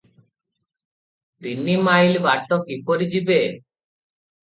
ତିନିମାଇଲ ବାଟ କିପରି ଯିବେ?